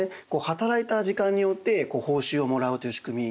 働いた時間によって報酬をもらうという仕組み。